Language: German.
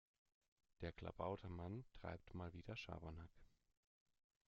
Der Klabautermann treibt mal wieder Schabernack.